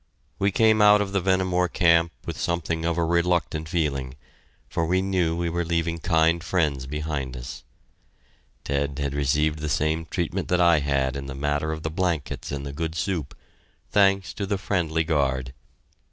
We came out of the Vehnemoor Camp with somewhat of a reluctant feeling, for we knew we were leaving kind friends behind us. Ted had received the same treatment that I had in the matter of the blankets and the good soup thanks to the friendly guard.